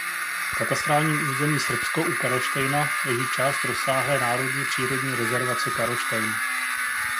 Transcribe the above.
V katastrálním území Srbsko u Karlštejna leží část rozsáhlé národní přírodní rezervace Karlštejn.